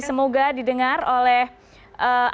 semoga didengar oleh adms